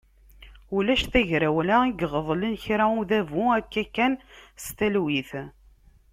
Ulac tagrawla iɣeḍlen kra n udabu akka kan s talwit.